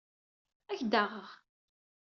Ad ak-d-aɣeɣ.